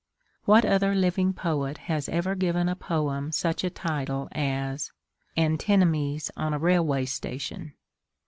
What other living poet has ever given a poem such a title as _Antinomies on a Railway Station?